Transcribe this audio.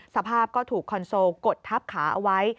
สภาพก็ถูกคอนโซลกดทับขาเอาไว้